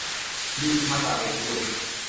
ลี ชาตะเมธีกุล